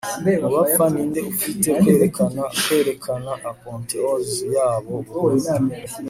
Mu bapfa ninde ufite kwerekana kwerekana apotheose yabo buhoro